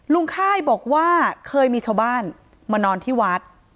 ค่ายบอกว่าเคยมีชาวบ้านมานอนที่วัด